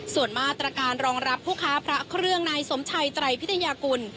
ส่วนมาตรการรองรับผู้ค้าพระเครื่องนายสมชัยไตรพิทยากุล